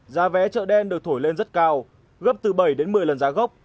giá vé chợ đen được thổi lên rất cao gấp từ bảy đến một mươi lần giá gốc